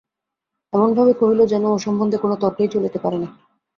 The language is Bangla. এমনভাবে কহিল যেন ও-সম্বন্ধে কোনো তর্কই চলিতে পারে না।